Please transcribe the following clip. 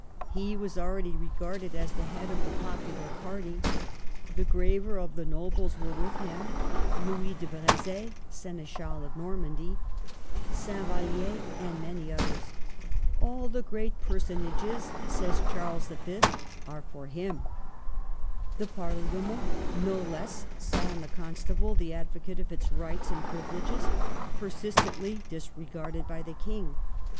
He was already regarded as the head of the popular party. The graver of the nobles were with him, Louis de Breze, Seneschal of Normandy, Saint Vallier, and many others. " All the great per sonages," says Charles V., " are for him." The Parliament, no less, saw in the Constable the advocate of its rights and privileges, persistently disregarded by the King.